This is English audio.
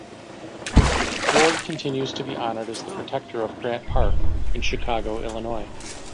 Ward continues to be honored as the protector of Grant Park in Chicago, Illinois.